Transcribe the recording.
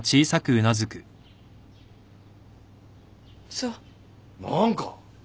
そう。何か。